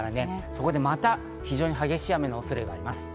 そこでまた非常に激しい雨の恐れがあります。